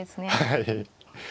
はい。